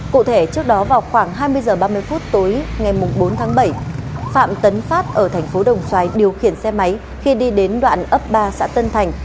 cụ thể trước đó vào khoảng hai mươi h ba mươi phút tối ngày bốn tháng bảy phạm tấn phát ở thành phố đồng xoài điều khiển xe máy khi đi đến đoạn ấp ba xã tân thành